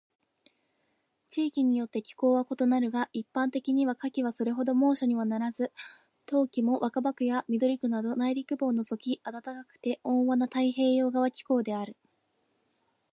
地域によって気候は異なるが、一般には夏季はそれほど猛暑にはならず、冬季も若葉区や緑区など内陸部を除き暖かくて温和な太平洋側気候である。